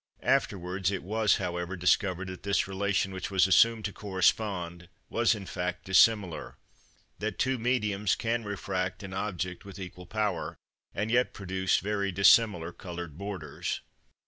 Afterwards it was, however, discovered that this relation which was assumed to correspond, was, in fact, dissimilar; that two mediums can refract an object with equal power, and yet produce very dissimilar coloured borders.